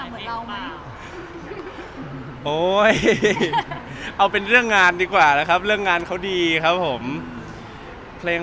ดูให้เป็นอย่างไรบ้างทุกให้เป็นอย่างไรบ้างครับ